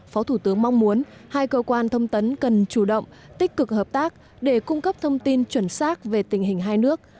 phó thủ tướng mong muốn hai cơ quan thông tấn cần chủ động tích cực hợp tác để cung cấp thông tin chuẩn xác về tình hình hai nước